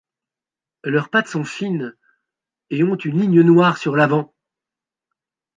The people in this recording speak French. Leurs pattes sont fines et ont une ligne noire sur l'avant.